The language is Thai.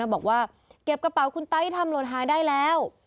บอกว่าเก็บกระเป๋าคุณไต้ทำหล่นหายได้แล้ว